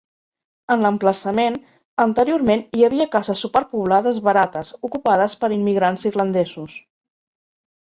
En l'emplaçament, anteriorment hi havia cases superpoblades barates ocupades per immigrants irlandesos.